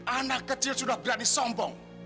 anak kecil sudah berani sombong